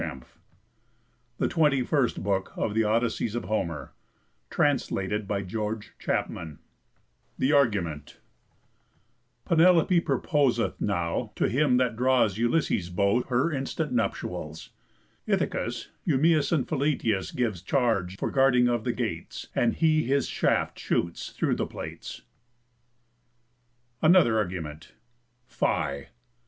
_ THE TWENTY FIRST BOOK OF HOMER'S ODYSSEYS THE ARGUMENT Penelope proposeth now To him that draws Ulysses' bow Her instant nuptials. Ithacus Eumæus and Philœtius Gives charge for guarding of the gates; And he his shaft shoots through the plates. ANOTHER ARGUMENT _Φι̑.